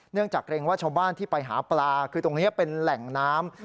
จากเกรงว่าชาวบ้านที่ไปหาปลาคือตรงนี้เป็นแหล่งน้ำ